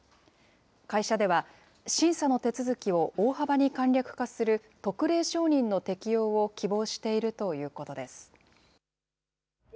会社では、審査の手続きを大幅に簡略化する特例承認の適用を希望しているということです。